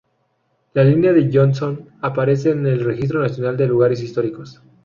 La Línea de Johnston aparece en el Registro Nacional de Lugares Históricos.